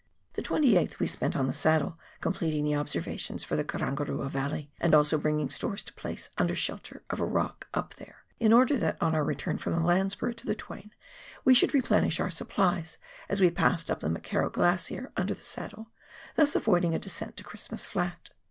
The 28th we spent on the saddle, completing the observa tions for the Karangarua Valley, and also bringing stores to place under shelter of a rock up there, in order that, on our return from the Landsborough to the Twain, we could replenish our supplies as we passed up the McKerrow Glacier under the saddle, thus avoiding a descent to Christmas Flat.